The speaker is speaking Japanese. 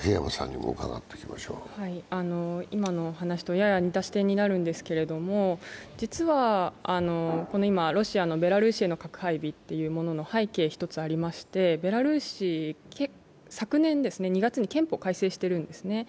今のお話とやや似た視点になるんですけれども実は、今ロシアのベラルーシへの核配備っていうのには結構、背景がありましてベラルーシ、昨年２月に憲法を改正しているんですね。